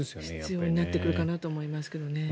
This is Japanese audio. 必要になってくるかなと思いますけどね。